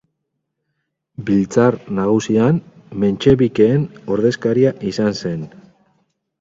Biltzar Nagusian mentxebikeen ordezkaria izan zen.